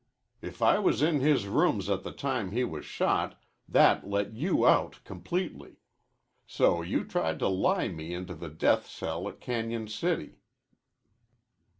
If I was in his rooms at the time he was shot, that let you out completely. So you tried to lie me into the death cell at Cañon City."